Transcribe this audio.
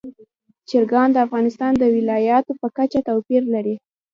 چرګان د افغانستان د ولایاتو په کچه توپیر لري.